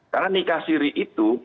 karena nikah siri itu